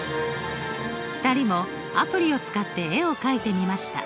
２人もアプリを使って絵をかいてみました。